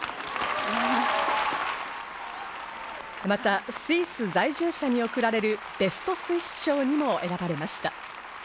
またスイス在住者に贈られるベスト・スイス賞にも選ばれました。